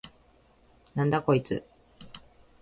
なんだこいつ！？